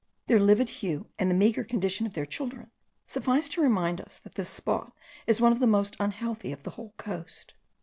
Their livid hue, and the meagre condition of their children, sufficed to remind us that this spot is one of the most unhealthy of the whole coast.